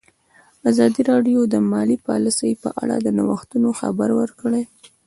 ازادي راډیو د مالي پالیسي په اړه د نوښتونو خبر ورکړی.